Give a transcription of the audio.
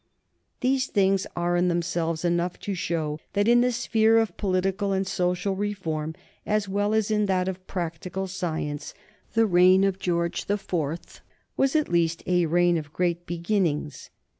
These things are in themselves enough to show that in the sphere of political and social reform as well as in that of practical science the reign of George the Fourth was at least a reign of great beginnings.